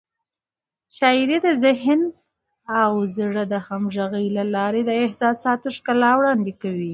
شاعري د ذهن او زړه د همغږۍ له لارې د احساساتو ښکلا وړاندې کوي.